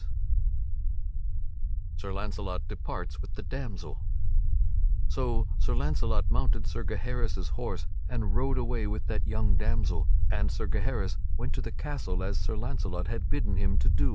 [Sidenote: Sir Launcelot departs with the damsel] So Sir Launcelot mounted Sir Gaheris' horse and rode away with that young damsel, and Sir Gaheris went to the castle as Sir Launcelot had bidden him to do.